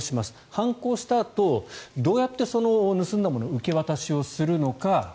犯行をしたあとどうやって盗んだものを受け渡しをするのか。